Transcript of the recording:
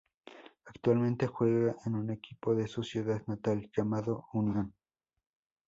Actualmente juega en un equipo de su ciudad natal, llamado Unión.